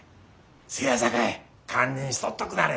せやさかい堪忍しとっとくなはれな。